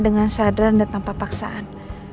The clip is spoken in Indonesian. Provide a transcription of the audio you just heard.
dengan sadar dan tanpa paksaan